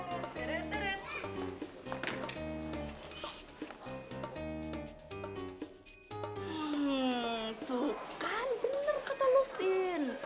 hmm tuh kan bener katalo sin